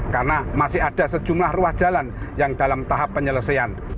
karena masih ada sejumlah ruas jalan yang dalam tahap penyelesaian